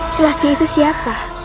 selasi itu siapa